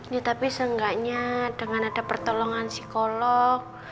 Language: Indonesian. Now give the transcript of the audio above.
ya tapi seenggaknya dengan ada pertolongan psikolog